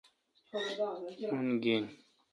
اؙن گین۔